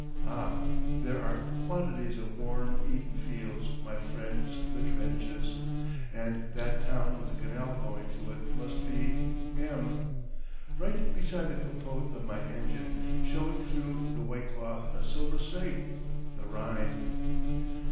Ah, there are quantities of worm eaten fields my friends the trenches and that town with the canal going through it must be M . Right beside the capote of my engine, showing through the white cloth a silver snake the Rhine!